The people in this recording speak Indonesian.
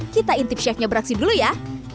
kita intip chefnya beraksi dulu ya